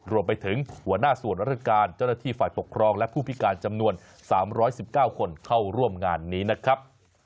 หัวหน้าส่วนราชการเจ้าหน้าที่ฝ่ายปกครองและผู้พิการจำนวน๓๑๙คนเข้าร่วมงานนี้นะครับ